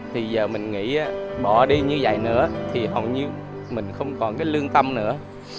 thì giờ mình nghĩ bỏ đi như vậy nữa thì hầu như mình không còn cái lương tâm nữa